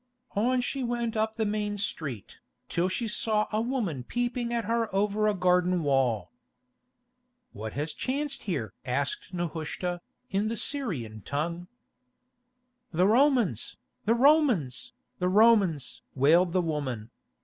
On she went up the main street, till she saw a woman peeping at her over a garden wall. "What has chanced here?" asked Nehushta, in the Syrian tongue. "The Romans! the Romans! the Romans!" wailed the woman.